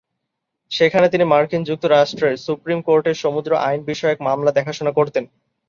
সেখানে তিনি মার্কিন যুক্তরাষ্ট্রের সুপ্রিম কোর্টের সমুদ্র আইন বিষয়ক মামলা দেখাশুনা করতেন।